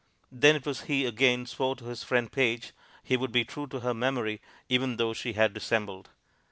Then it was he again swore to his friend Page he would be true to her memory, even though she had dissembled.